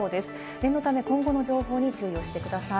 念のため今後の情報に注意をしてください。